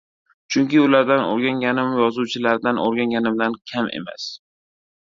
Chunki ulardan oʻrganganim yozuvchilardan oʻrganganimdan kam emas.